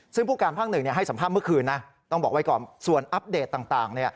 ซึ่งผู้การภาคหนึ่งให้สัมภาษณ์เมื่อคืนนะต้องบอกไว้ก่อนส่วนอัปเดตต่าง